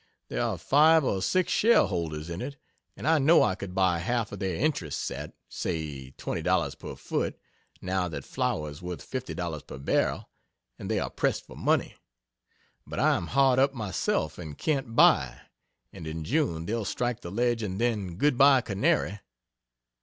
There are five or six shareholders in it, and I know I could buy half of their interests at, say $20 per foot, now that flour is worth $50 per barrel and they are pressed for money. But I am hard up myself, and can't buy and in June they'll strike the ledge and then "good bye canary."